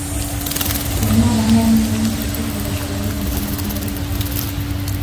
Soinua banda onenaren Urrezko Globo Sariaren izendapena ere jaso zuen.